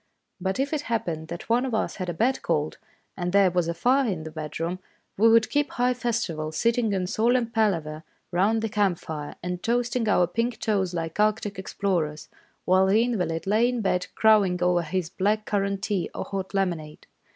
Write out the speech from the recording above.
But if it hap pened that one of us had a bad cold, and there was a fire in the bedroom, we would keep high festival, sitting in solemn palaver round the camp fire, and toasting our pink toes like Arctic explorers, while the invalid lay in bed crowing over his black currant tea or hot lemonade.